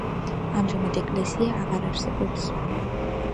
ამჟამად ეკლესია აღარ არსებობს.